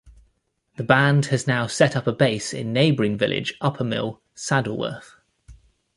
The band has now set up a base in neighbouring village Uppermill, Saddleworth.